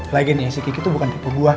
lagian ya si kiki tuh bukan tipe gua